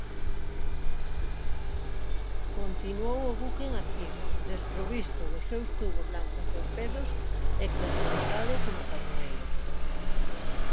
Continuó el buque en activo, desprovisto de sus tubos lanzatorpedos y clasificado como cañonero.